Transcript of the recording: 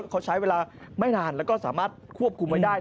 เขาใช้เวลาไม่นานแล้วก็สามารถควบคุมไว้ได้